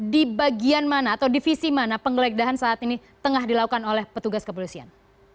di bagian mana atau divisi mana penggeledahan saat ini tengah dilakukan oleh petugas kepolisian